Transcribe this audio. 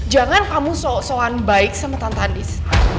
jangan kamu soan soan baik sama tante andis